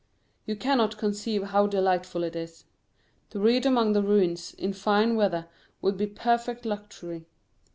You cannot conceive how delightful it is. To read among the ruins in fine weather would be perfect luxury.